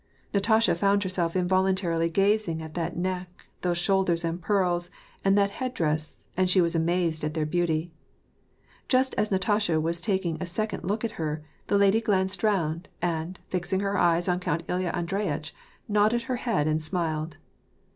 Natasha found herself involuntarily gazing at that neck, those shoulders and pearls, and that head dress, and she was amazed at their beauty. Just as Natasha was taking a second look at her, the lady glanced round, and, fixing her eyes on Count Ilya Andreyitch, nodded her head and smiled.